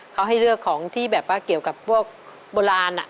เขาให้เลือกของที่แบบว่าเกี่ยวกับพวกโบราณ